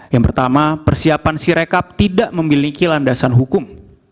yang pertama persiapan sirekap tidak memiliki landasan hukum